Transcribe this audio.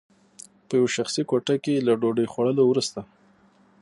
په یوه شخصي کوټه کې له ډوډۍ خوړلو وروسته